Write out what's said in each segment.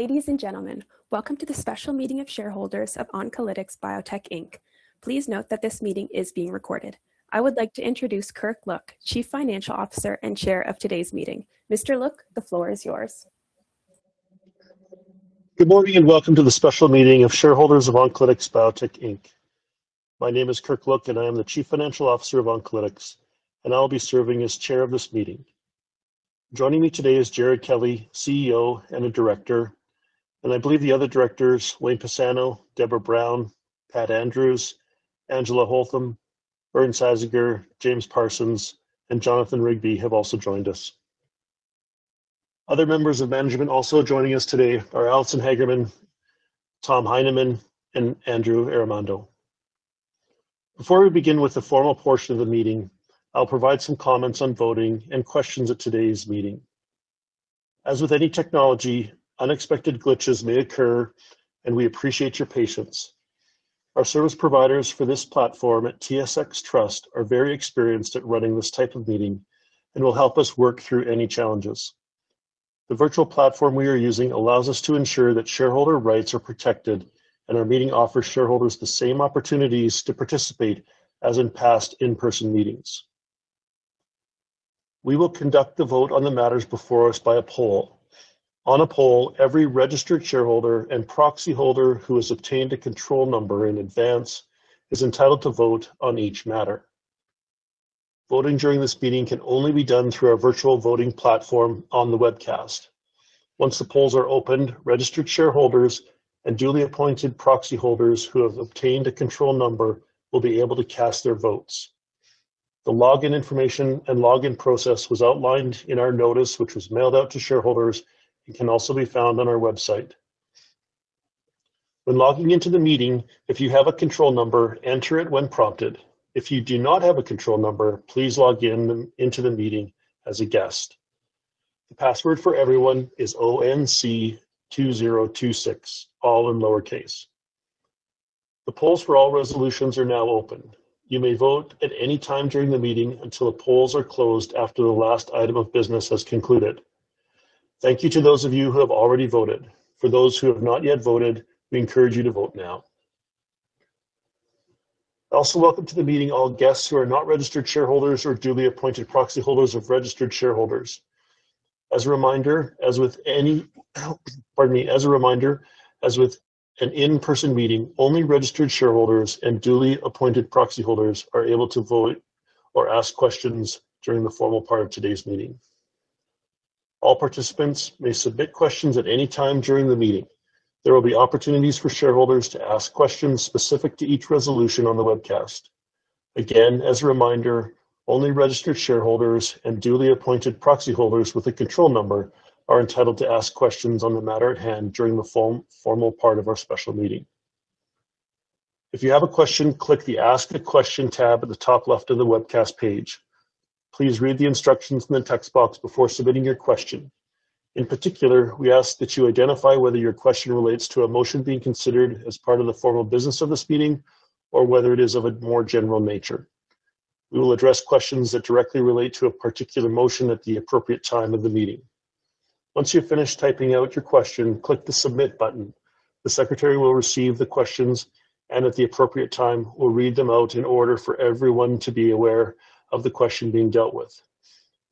Ladies and gentlemen, welcome to the special meeting of shareholders of Oncolytics Biotech Inc. Please note that this meeting is being recorded. I would like to introduce Kirk Look, Chief Financial Officer and Chair of today's meeting. Mr. Look, the floor is yours. Good morning and welcome to the special meeting of shareholders of Oncolytics Biotech Inc. My name is Kirk Look, and I am the Chief Financial Officer of Oncolytics, and I'll be serving as Chair of this meeting. Joining me today is Jared Kelly, CEO and a Director, and I believe the other directors, Wayne Pisano, Deborah Brown, Pat Andrews, Angela Holtham, Bernd Seizinger, James Parsons, and Jonathan Rigby have also joined us. Other members of management also joining us today are Allison Hagerman, Tom Heineman, and Andrew de Guttadauro. Before we begin with the formal portion of the meeting, I'll provide some comments on voting and questions at today's meeting. As with any technology, unexpected glitches may occur, and we appreciate your patience. Our service providers for this platform at TSX Trust are very experienced at running this type of meeting and will help us work through any challenges. The virtual platform we are using allows us to ensure that shareholder rights are protected and our meeting offers shareholders the same opportunities to participate as in past in-person meetings. We will conduct the vote on the matters before us by a poll. On a poll, every registered shareholder and proxy holder who has obtained a control number in advance is entitled to vote on each matter. Voting during this meeting can only be done through our virtual voting platform on the webcast. Once the polls are opened, registered shareholders and duly appointed proxy holders who have obtained a control number will be able to cast their votes. The login information and login process was outlined in our notice, which was mailed out to shareholders and can also be found on our website. When logging into the meeting, if you have a control number, enter it when prompted. If you do not have a Control Number, please log into the meeting as a guest. The password for everyone is onc2026, all in lowercase. The polls for all resolutions are now open. You may vote at any time during the meeting until the polls are closed after the last item of business has concluded. Thank you to those of you who have already voted. For those who have not yet voted, we encourage you to vote now. I also welcome to the meeting all guests who are not registered shareholders or duly appointed proxy holders of registered shareholders. As a reminder, as with an in-person meeting, only registered shareholders and duly appointed proxy holders are able to vote or ask questions during the formal part of today's meeting. All participants may submit questions at any time during the meeting. There will be opportunities for shareholders to ask questions specific to each resolution on the webcast. Again, as a reminder, only registered shareholders and duly appointed proxy holders with a control number are entitled to ask questions on the matter at hand during the formal part of our special meeting. If you have a question, click the Ask a Question tab at the top left of the webcast page. Please read the instructions in the text box before submitting your question. In particular, we ask that you identify whether your question relates to a motion being considered as part of the formal business of this meeting or whether it is of a more general nature. We will address questions that directly relate to a particular motion at the appropriate time of the meeting. Once you've finished typing out your question, click the Submit button. The secretary will receive the questions and, at the appropriate time, will read them out in order for everyone to be aware of the question being dealt with.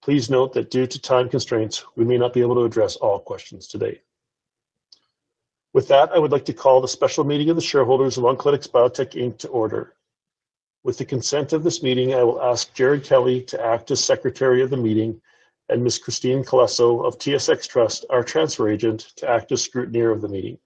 Please note that due to time constraints, we may not be able to address all questions today. With that, I would like to call the special meeting of the shareholders of Oncolytics Biotech Inc. to order. With the consent of this meeting, I will ask Jared Kelly to act as secretary of the meeting and Ms. Christine Colasso of TSX Trust, our transfer agent, to act as scrutineer of the meeting.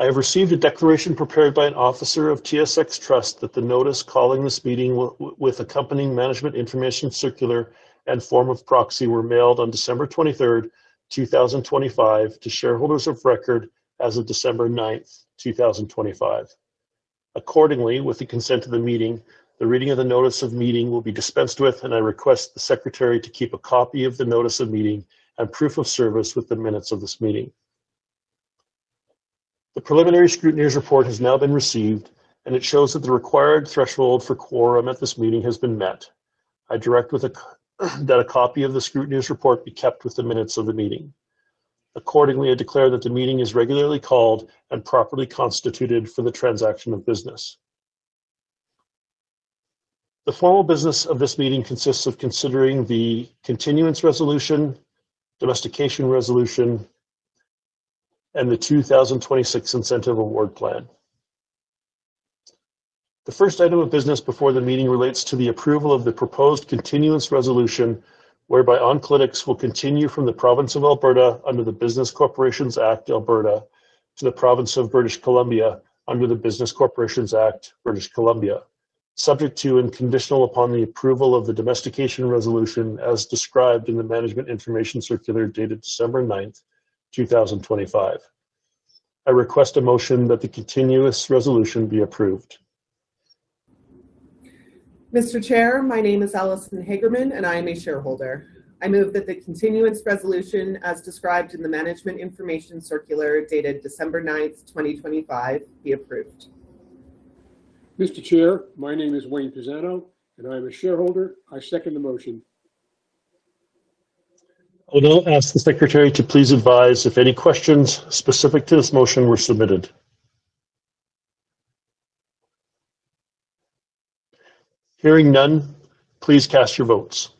I have received a declaration prepared by an officer of TSX Trust that the notice calling this meeting with accompanying Management Information Circular and form of proxy were mailed on December 23rd, 2025, to shareholders of record as of December 9th, 2025. Accordingly, with the consent of the meeting, the reading of the notice of meeting will be dispensed with, and I request the secretary to keep a copy of the notice of meeting and proof of service with the minutes of this meeting. The preliminary scrutineer's report has now been received, and it shows that the required threshold for quorum at this meeting has been met. I direct that a copy of the scrutineer's report be kept with the minutes of the meeting. Accordingly, I declare that the meeting is regularly called and properly constituted for the transaction of business. The formal business of this meeting consists of considering the Continuance Resolution, Domestication Resolution, and the 2026 Incentive Award Plan. The first item of business before the meeting relates to the approval of the proposed continuance resolution whereby Oncolytics will continue from the province of Alberta under the Business Corporations Act, Alberta, to the province of British Columbia under the Business Corporations Act, British Columbia, subject to and conditional upon the approval of the domestication resolution as described in the management information circular dated December 9th, 2025. I request a motion that the continuance resolution be approved. Mr. Chair, my name is Allison Hagerman, and I am a shareholder. I move that the continuance resolution as described in the Management Information Circular dated December 9th, 2025, be approved. Mr. Chair, my name is Wayne Pisano, and I am a shareholder. I second the motion. I'll now ask the secretary to please advise if any questions specific to this motion were submitted. Hearing none, please cast your votes.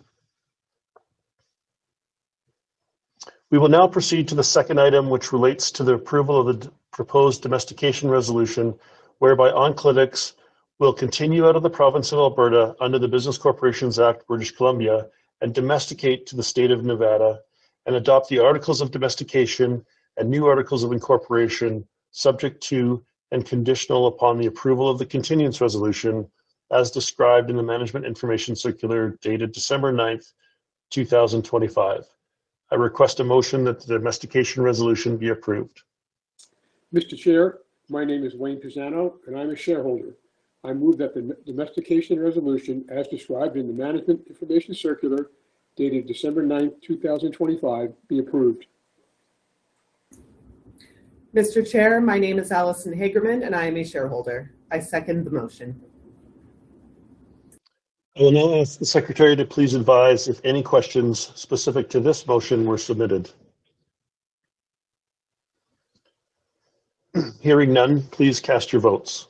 We will now proceed to the second item, which relates to the approval of the proposed domestication resolution whereby Oncolytics will continue out of the province of Alberta under the Business Corporations Act, British Columbia, and domesticate to the state of Nevada and adopt the articles of domestication and new articles of incorporation subject to and conditional upon the approval of the continuance resolution as described in the management information circular dated December 9th, 2025. I request a motion that the domestication resolution be approved. Mr. Chair, my name is Wayne Pisano, and I'm a shareholder. I move that the domestication resolution as described in the management information circular dated December 9th, 2025, be approved. Mr. Chair, my name is Allison Hagerman, and I am a shareholder. I second the motion. I will now ask the secretary to please advise if any questions specific to this motion were submitted. Hearing none, please cast your votes.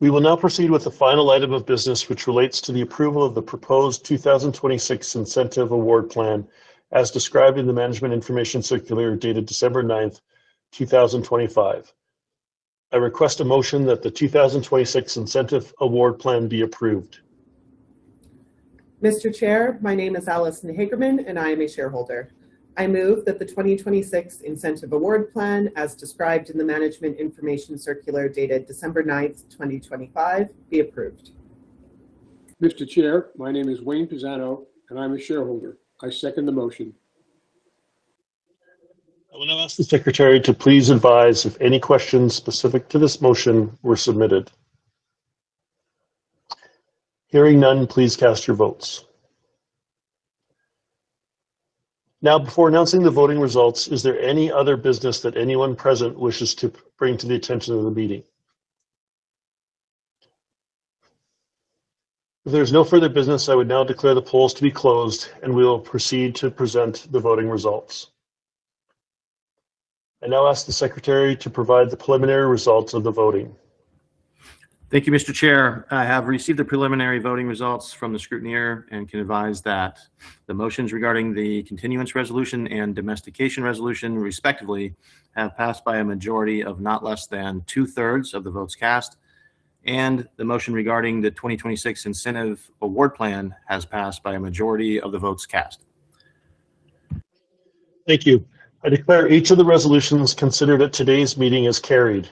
We will now proceed with the final item of business, which relates to the approval of the proposed 2026 Incentive Award Plan as described in the Management Information Circular dated December 9th, 2025. I request a motion that the 2026 Incentive Award Plan be approved. Mr. Chair, my name is Allison Hagerman, and I am a shareholder. I move that the 2026 Incentive Award Plan as described in the Management Information Circular dated December 9th, 2025, be approved. Mr. Chair, my name is Wayne Pisano, and I'm a shareholder. I second the motion. I will now ask the secretary to please advise if any questions specific to this motion were submitted. Hearing none, please cast your votes. Now, before announcing the voting results, is there any other business that anyone present wishes to bring to the attention of the meeting? If there is no further business, I would now declare the polls to be closed, and we will proceed to present the voting results. I now ask the secretary to provide the preliminary results of the voting. Thank you, Mr. Chair. I have received the preliminary voting results from the scrutineer and can advise that the motions regarding the Continuance Resolution and Domestication Resolution, respectively, have passed by a majority of not less than 2/3 of the votes cast, and the motion regarding the 2026 Incentive Award Plan has passed by a majority of the votes cast. Thank you. I declare each of the resolutions considered at today's meeting as carried.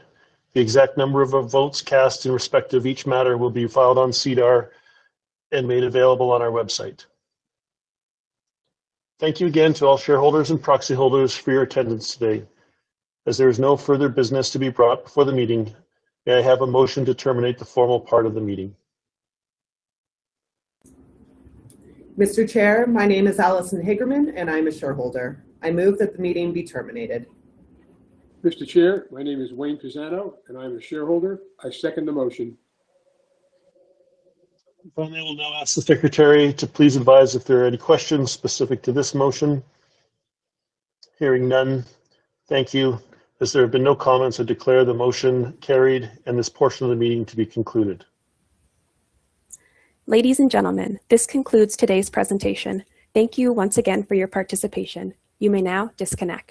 The exact number of votes cast in respect of each matter will be filed on SEDAR and made available on our website. Thank you again to all shareholders and proxy holders for your attendance today. As there is no further business to be brought before the meeting, may I have a motion to terminate the formal part of the meeting? Mr. Chair, my name is Allison Hagerman, and I'm a shareholder. I move that the meeting be terminated. Mr. Chair, my name is Wayne Pisano, and I'm a shareholder. I second the motion. Finally, I will now ask the secretary to please advise if there are any questions specific to this motion. Hearing none, thank you. As there have been no comments, I declare the motion carried and this portion of the meeting to be concluded. Ladies and gentlemen, this concludes today's presentation. Thank you once again for your participation. You may now disconnect.